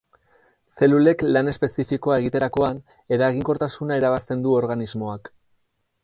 Zelulek lan espezifikoa egiterakoan, eraginkortasuna irabazten du organismoak.